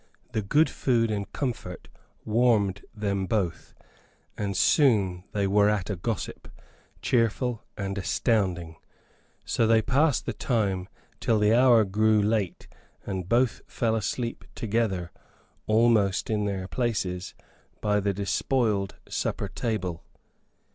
The good food and comfort warmed them both, and soon they were at a gossip, cheerful and astounding. So they passed the time until the hour grew late; and both fell asleep together, almost in their places, by the despoiled supper table.